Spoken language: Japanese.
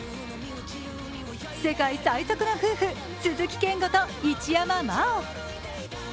世界最速の夫婦鈴木健吾と一山麻緒。